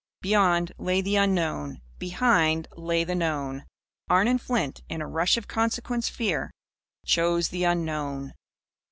Beyond, lay the Unknown. Behind, lay the Known. Arnon Flint, in a rush of consequence fear, chose the Unknown.